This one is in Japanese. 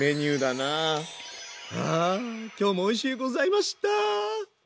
今日もおいしゅうございました！